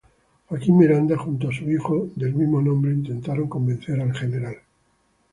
Joaquín Miranda junto a su hijo del mismo nombre intentaron convencer al Gral.